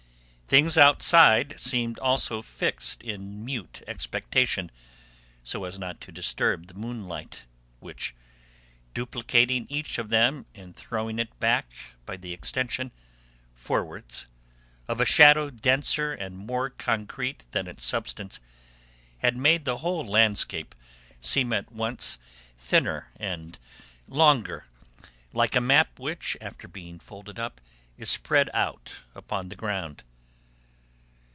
Things outside seemed also fixed in mute expectation, so as not to disturb the moonlight which, duplicating each of them and throwing it back by the extension, forwards, of a shadow denser and more concrete than its substance, had made the whole landscape seem at once thinner and longer, like a map which, after being folded up, is spread out upon the ground.